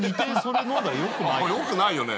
よくないよね。